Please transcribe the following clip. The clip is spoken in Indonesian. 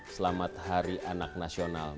selamat hari anak nasional